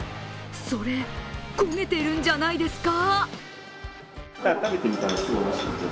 それ、焦げてるんじゃないですか？